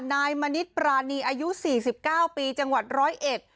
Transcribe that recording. นายมณิศปรานีอายุ๔๙ปีจังหวัดร้อยเอ็ด